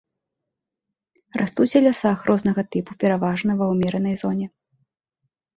Растуць у лясах рознага тыпу пераважна ва ўмеранай зоне.